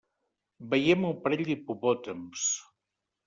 Veiem un parell d'hipopòtams.